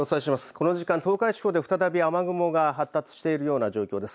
この時間、東海地方で再び雨雲が発達しているような状況です。